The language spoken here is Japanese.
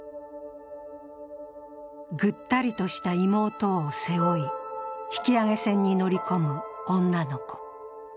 ぐったりとした妹を背負い引揚船に乗り込む女の子。